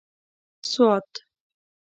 سوات